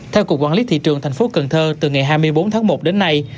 theo cục quản lý thị trường tp cn từ ngày hai mươi bốn tháng một đến nay